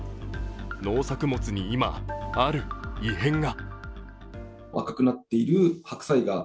農作物に今、ある異変が。